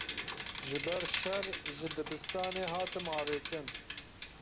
Ji ber şer ji dibistanê hatim avêtin.